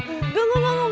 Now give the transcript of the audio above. enggak enggak enggak enggak